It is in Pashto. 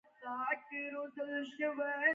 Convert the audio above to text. یو پکې د دیواله له کنډوه یو مخ وویني.